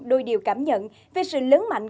đôi điều cảm nhận về sự lớn mạnh